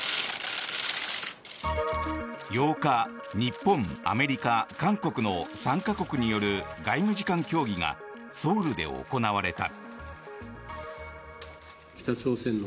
８日、日本、アメリカ、韓国の３か国による外務次官協議がソウルで行われた。